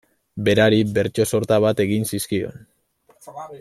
Berari bertso sorta bat egin zizkion.